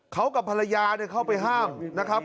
เขากับภรรยาเข้าไปห้ามนะครับ